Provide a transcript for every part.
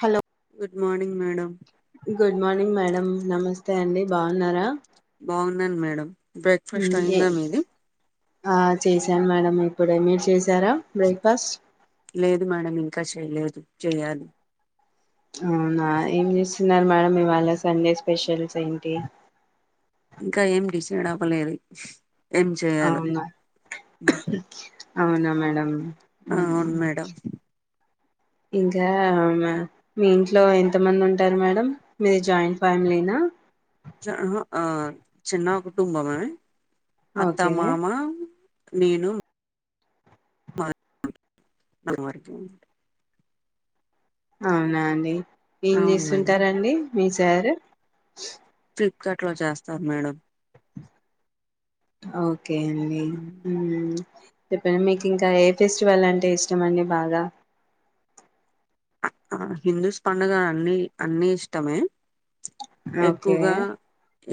Hello good morning madam good morning madam నమస్తే అండి బాగున్నారా బాగున్నాను మేడం బ్రేక్ఫాస్ట్ అయి్యందా మీది ఆ చేశాను మేడం ఇప్పుడు మీర్ చే జరా బ్రేక్ఫాస్ట్ లేదు మేడం ఇంకా చెయలేదు చెయ్యాలి అవునా ఏం చేస్తున్నారు మేడం ఇవాళ సండే స్పెషల్స్ ఏంటి ఇంకా ఏమి డిసైడ్ అవ్వలేదా అవునా అవునా మేడం డం ఆ అవును మేడం ఇంకా మీ ఇంట్లో ఎంతమంది ఉంటారు మేడం మీది జాయింట్ ఫ్యామిలీనా ఆ చిన్న కుటుంబమ అత్త ఓకే మామా నేను అమ్మవారికి అవునా అండి ఏం అవును మేడం చేస్తుంటారండి మీ సారూ ఫ్లిప్కార్ట్ లో చేస్తారు మేడం ఓకే అండి హ్మ్ చెప్పండి మీకు ఇంకా ఏ ఫెస్టివల్ అంటే ఇష్టం అండి బాగా ఆ హిందూస్ పడుగ అన్ని అన్ని ఇష్టమే ప్చ్ ఓకే ఎక్కువగా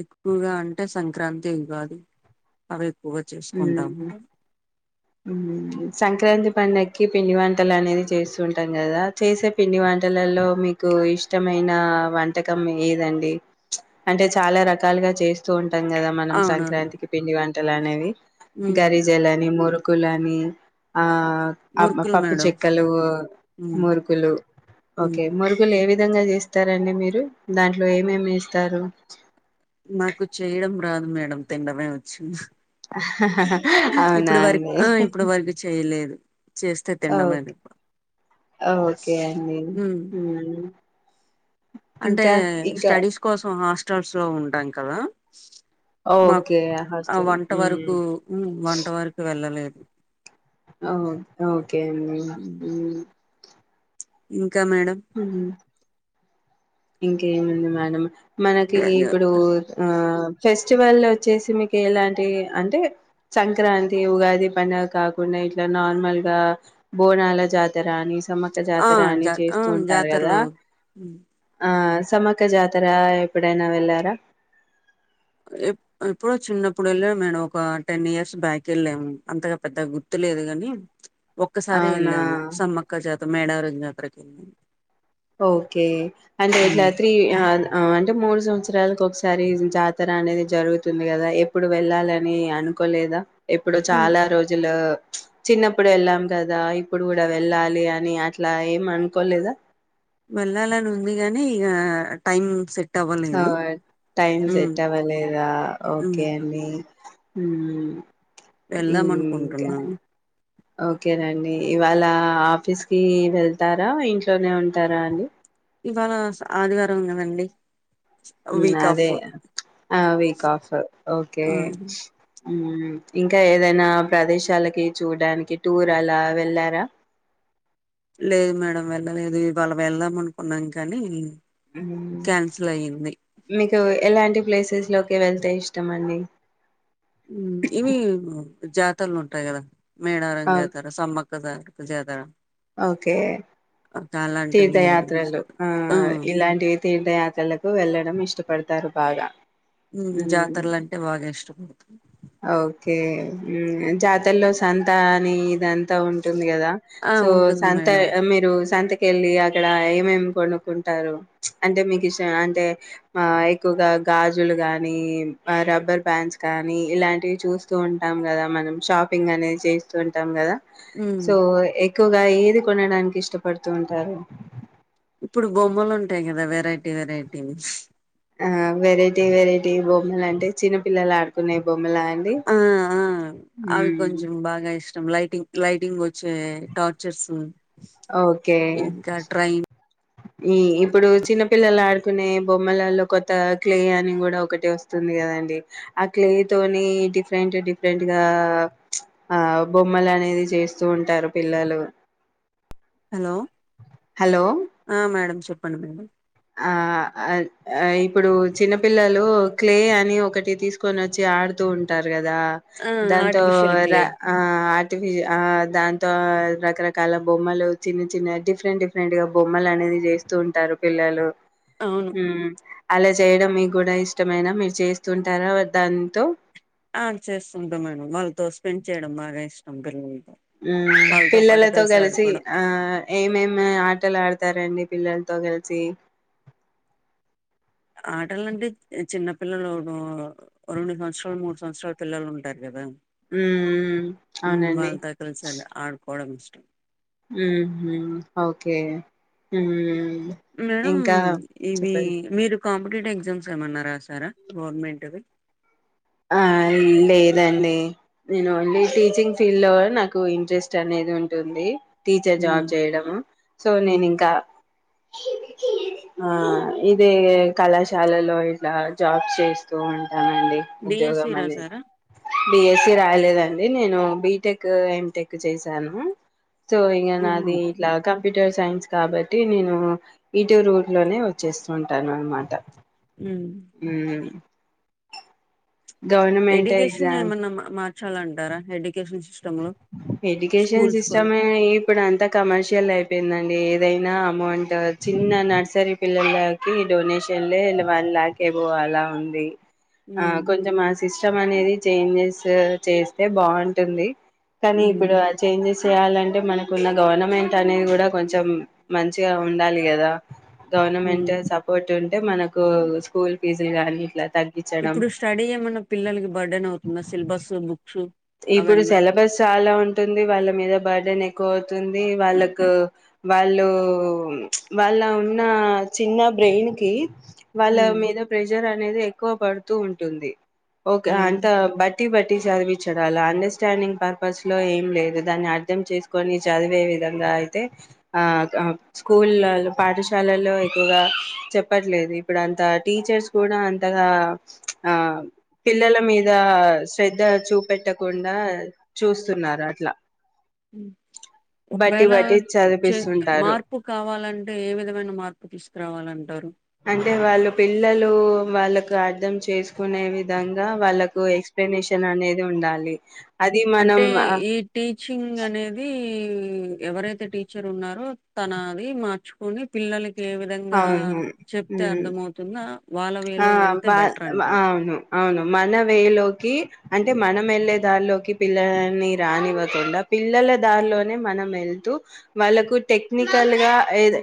ఎ ఎక్కువగా అంటే సంక్రాంతి ఉగాది అవే హ్మ్ హ్మ్ సంక్రాంతి పండక్కి పిండి వంటలు అనేది చేస్తూ ఉంటాం కదా చేసే పిండి వంటలలో మీకు ఇష్టమైన వంటకం ఏదండి ప్చ్ అంటే చాలా రకాలుగా చేస్తూ ఉంటా ఉంటాం కదా మనం అవునవును సంక్రాంతికి పిండి వంటలు అనేవి ఉమ్ గ్యారీజ ఎలా నిం మురుకులుని ఆ మురుకులు పప్పు మేడం చెక్కలు ఉమ్ ముగులు ఒకే ఉమ్ ముగులు ఏ విధంగా చేస్తారండి మీరు దాంట్లో ఏమేమి చేస్తారు నాకు చేయడం రాదు మేడం తినండమే వచ్చు అవునా ఇప్పుడు వరకు అండి ఆ ఇప్పుడు వరకు చేయలేదు చేస్తే తినడమే ఓకే ఓకే అండి ఉమ్ హ్మ్ అంటే స్టడీస్ కోసం హాస్ట్ క్వటల్స్ లో ఉంటాం కదా మాక్ ఓకే ఆ హాస్టల్ వంట ఉమ్, వరకు మ్మ్ వంట వరకు వెళ్ళలేదు ఓ ఒకే హ్మ్ కా మేడం ఇంకేముంది మేడం మనకి ఇప్పుడు ఆ ఫెస్టివల్ వచ్చేసి మీకు ఎలాంటివి అంటే సంక్రాంతి ఉగాది పండుగ కాకుండా ఇట్లా నార్మల్ గా బోనాల జాతర అని మ్మక ఆ జాతర అని జా చే ఆ ఉంటారు కదా జాతరలు ఉమ్ ఆ సమక్క జాతర ఎప్పుడైనా వెళ్ళారా ఎప్పుడో చిన్నప్పుడు వెళ్ళ మేడమ్ ఒక టెన్ ఇయర్స్ బ్యాక్ వెళ్ళాము. అంతగా పెద్ద గుర్తు లేదు కాని ఒక్కసారే అవునా వెళ్ళాము సమ్మక్క జాత మేడారం జాతర కి ఓకే అంటే ఇట్లా త్రీ ఆ అంటే మూడు సం సంవత్సరాలకు ఒకసారి జాతర అనేది జరుగుతుంది. కదా ఎప్పుడు వెళ్ళాలని అనుకోలేదా ఇప్పుడు హ్మ్ చాలా రోజులు చిన్నప్పుడు వెళ్ళాం కదా ఇప్పుడు కూడా వెళ్ళాలి అని అట్లా ఏం అనుకోలేదా వెళ్లాలని ఉంది గాని ఇగ టైం సెట్ అవ్వలేదు టైం హ్మ్ సెట్ అవ్వలేదా హ్మ్ ఓకే అండి ఉ వెళ్దాం ఇంక అనుకుంటున్నాము ఓకేనండి ఇ వాళ ఆఫీస్ కి వెళ్తారా ఇంట్లోనే ఉంటారా అండి ఆ ఆదివారం కదండి వీక్ అదే ఆఫ్ ఆ వీక్ ఆఫ్ ఓకే ఆ మ్ ఇంకా ఏదైనా ప్రదేశాలకి చూడానికి టూర్ అలా వెళ్ళారా లేదు మేడం వెళ్ళలేదు ఇవాళ వెళ్దాం అనుకున్నాం కానీ ఉమ్ క్యాన్సిల్ అయ్యింది మీకు ఎలాంటి ప్లేసెస్ లో కే వెళ్తే ఇష్టం అండి ఉమ్ ఇవి జత తల్లు ఉట్టా కదా మేడారం ఓ- జాతర సమ్మక్కజాతర చేత స ఓకే అలాంటివి తీర్థయాత్రలు ఆ ఇలాంటివి తీర్థయాత్రలకు వెళ్ళడం ఇష్టపడుతు ఉంటారు బాగా ఉమ్ మ్మ్. జాతరలు అంటే బాగా ఇష్ట ఉమ్ జాతల్లో సంతా అని ఇదంతా ఉంటుంది ఉంది కదా ఆ సో ఉంటుంది సంత మేడం మీరు సంత కెళ్ళి అక్కడ ఏమేం కొనుక్కుంటారు. అంటే మీకు ఇష్టం అంటే ఆ ఎక్కువగా గాజులు గానీ రబ్బర్ బాండ్స్ గానీ ఇలాంటివి చూస్తూ ఉంటాం కదా మనం షాపింగ్ అనేది చేస్తూ ఉంటాం కదా ఉమ్ సో ఇక్ ఎక్కువగా ఏది కొనడానికి ఇష్టపడు తూ ఉంటారు ఇప్పుడు బొమ్మలు ఉంటాయి కదా వెరైటీ వెరైటీస్ ఆ వెరైటీ వెరైటీ బొమ్మలు అంటే చిన్న పిల్లలు ఆడుకునే బొమ్మ ఆ ఆ అవి హ్మ్. కొంచెం బాగా ఇష్టం లటింగ్ లైటింగ్ వచ్చే టార్చర్స్ ఓకే. ఇంకా ట్రైన్ ఈ ఇప్పుడు చిన్నపిల్లలు ఆడుకునే బొమ్మలలో కొత్త క్లే అని కూడా ఒకటి వస్తుంది కదండి ఆ క్లే తోని డిఫరెంట్ డిఫరెంట్ గా ఆ బొమ్మలు అనేది చేస్తూ ఉంటారు పిల్లలు హలో హలో మేడం చెట్ పను మడి ఆ ఇప్పుడు చిన్నపిల్లలు క్లే అని ఒకటి తీసు కొన వచ్చి ఆడుతూ ఉంటారు కదా ఆ దాంతో ఆర్టిఫిషియల్ క్లే ఆ దాంతో రకరకాల బొమ్మలు చిన్న చిన్న డిఫరెంట్ డిఫరెంట్ గా బొమ్మలు అనేది చేస్తూ ఉంటారు పిల్లలు అవును హ అలా చేయడం మీకు కూడా ఇష్టమైన మీరు చేస్తుంటారా దాంతో ఆ చేస్తుంటా మేడం వాళ్ళతో స్పెండ్ చేయడం బాగా ఇష్టం పిల్లకి ఆ పిల్లలతో కలిసి ఆ ఏమేమి ఆటలు ఆడతారండి పిల్లలతో కెలిసి ఆటలంటే చిన్న పపిల్లలు రెండు సంవత్సరాలు మూడు సంవత్సరాలు పిల్లలు ఉంటారు కదా ఉ అవునండి డమిష్టం ఒకే మేడం ఇవి మీరు కాంపిటేటివ్ ఎగ్జామ్స్ ఏమన్న రా సారా గవర్నమెంట్ది ఆ లేదండి నేను ఓన్లీ టీచింగ్ ఫీల్డ్ లో నాకు ఇంట్రెస్ట్ అనేది ఉంటుంది టీచర్ జాబ్ చేయడము సో నేను ఇంకా ఆ ఇదే కళాశాలలో ఇట్లా జాబ్స్ చేస్తూ ఉంటామండి బియస్వి రా సారా బిఎస్సి రాలేదండి నేను బిటెక్ ఎటెక్ చేశాను సో ఇ ఓహో! నాది ఓకే ఇట్లా కంప్యూటర్ సైన్స్ కాబట్టి నేను ఇటు రూట్ లోనే వచ్చేస్తు ఉంటాను అనమాట హ్మ్. హ్మ్ గవర్నమెంట్ ఎగ్జామ్ చాలా అంటారా ఎడ్యుకేషన్ సిస్టమ్ లో ఎజుకషన్ స్కూల్స్ సిస్టమ్ కొని ఏ పంత కమర్షియల్ అయిపోయిందండి ఏదైనా అమౌంట్ చిన్న నర్సరీ పిల్లలకి డొనేషన్లే వన్ ల్యాక్ అయి పోవాల ఉంది ఆ కొంచెం మా సిస్టం అనేది చేంజెస్ చేస్తే బాగుంటుంది కానీ ఇప్పుడు ఆ చేంజెస్ చేయాలంటే మనకున్న గవర్నమెంట్ అనేది కూడా కొంచెం మంచిగా ఉండాలి కదా గవర్మెంట్ సపోర్ట్ ఉ అంటే మనకు స్కూల్ ఫీజులు గానీ ఇట్లా తగ్గించడం ఇప్పుడు స్టడీ ఏమన్నా పిల్లలకి బర్డన్ అవుతుందా సిలబస్ బుక్స్ ఇప్పుడు అవన్నా సెలబస్ ఆ చాలా ఉంటుంది వాళ్ళ మీద బర్త్డేన్ ఎక్కువ అవుతుంది వాళ్ళకు వాళ్ళు వాళ్ళ ఉన్న చిన్న బ్రెయిన్ కి వాళ్ళ హ్మ్. మీద ప్రెజర్ అ అనేది ఎక్కువ పడుతూ ఉంటుంది ఓకే హ్మ్. అంట బట్ తి వడ్డీసార్ వి అండర్స్టాండింగ్ పర్పస్ లో ఏం లేదు దాన్ని అర్థం చేసుకొని చదివే విధంగా అయితే ఆ స్కూల్లో పాఠశాలలో ఎక్కువగా చెప్పట్లేదు ఇప్పుడు అంత టీచర్స్ కూడా అంతగా అపిల్లల మీద శ్రద్ధ చూప పెట్టకుండా చూస్తున్నారు అట్లా బట్టి ఒకవేళ బట్టి చె చదిపిస్తుంటారు మార్పు కావాలంట అంటే ఏ విధమైన మార్పు తీసుకురావాలంటా అంటే వాళ్ళు పిల్లలు వాళ్ళకు అర్థం చేసుకునే విధంగా వాళ్ళకు ఎక్సప్లనేషన్ అనేది ఉండాలి. అది అంటే మనం ఈ టీచింగ్ అనేది... ఎవరైతే టీచర్ ఉన్నారో తన అది మార్చుకొని పిల్లలకి ఏ విధంగా అవును చెప్తే ఉమ్ అర్థమవుతుందొ ఆ బా అవును అవును. మన వేలోకి అంటే మనం ఎళ్ళే దారిలోకి పిల్లలని రానివ్వకుండ పిల్లల దారిలోనే మనం ఎళ్తూ వాళ్ళకు టెక్నిక్ టెక్నికల్ గ ఏదై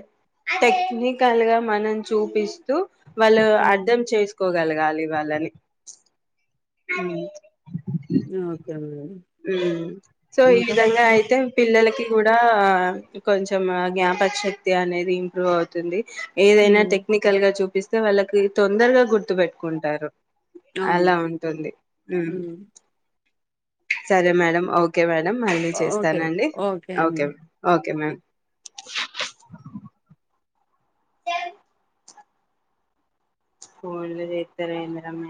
టెక్నికల్ గా మనం చూపిస్తూ వాళ్లు హ్మ్. అర్ధం చేసుకోగలగాలి వాళ్ళని ఆ ఓకే మ్మ ఉమ్మ్. సో ఈ విధంగా అయితే పిల్లలకి కూడా కొంచెం జ్ఞాపకశక్తి అనేది ఇంప్రూవ్ అవుతుంది. ఏదైనా హ్మ్. టెక్నికల్ గా చూ ఇస్తే వాళ్ళకి తొందరగా గుర్తు పెట్టుకుంటారు. అవును. అలా ఉంటుంది. మ్మ్ హ్మ్. సరే మేడం ఓకే మరి మళ్ళీ ఓకే. చేస్తానండి అండి. ఓకే ఓకే మ్యామ్ ఏం ఫోన్లు చేత్త లేం మేడం నే